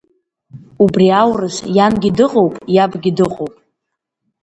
Убри аурыс иангьы дыҟоуп, иабгьы дыҟоуп.